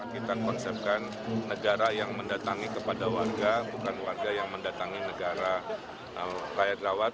kita konsepkan negara yang mendatangi kepada warga bukan warga yang mendatangi negara layak rawat